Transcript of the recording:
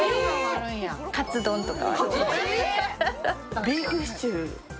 カツ丼とか。